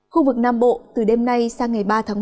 khu vực nam bộ từ đêm nay sang ngày ba tháng một mươi